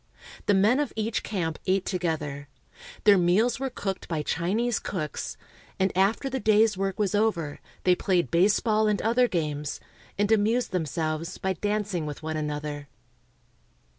The men of each camp ate together. Their meals were cooked by Chinese cooks ; and after the day's work was over they played baseball and other games, and amused themselves by dancing with one another.